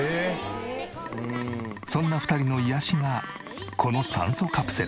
そんな２人の癒やしがこの酸素カプセル。